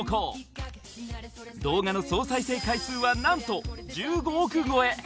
動画の総再生回数はなんと１５億超え！